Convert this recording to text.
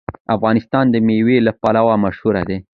افغانستان د مېوې لپاره مشهور دی.